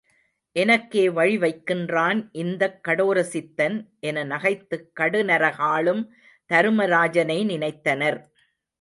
எனக்கே வழிவைக்கின்றான் இந்தக் கடோர சித்தன் என நகைத்துக் கடுநரகாளும் தருமராஜனை நினைத்தனர்.